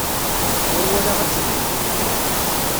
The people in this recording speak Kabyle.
Ur walaɣ ad telḥu.